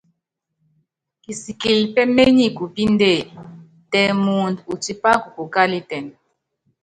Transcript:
Kisikili pémenyi kupíndé, tɛ muundɔ utipa ukukukálitɛn.